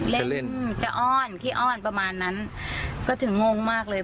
เล่นอ้อนพี่ออห์นประมาณนั้นก็ถึงงงมากเลย